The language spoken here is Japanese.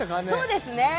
そうですね